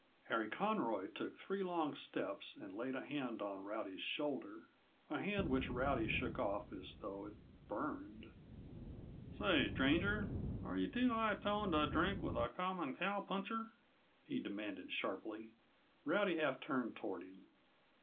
Harry Conroy took three long steps and laid a hand on Rowdy's shoulder a hand which Rowdy shook off as though it burned. "Say, stranger, are you too high toned t' drink with a common cowpuncher?" he demanded sharply. Rowdy half turned toward him.